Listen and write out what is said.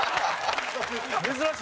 珍しい。